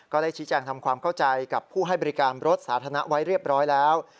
ก็ได้ชี้แจงทำความเข้าใจกับผู้ให้บริการรถสาธารณะไว้เรียบร้อยแล้ว